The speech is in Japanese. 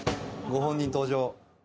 ご本人登場。